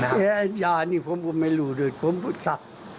แย่ยานี่ผมก็ไม่รู้ด้วยผมสัก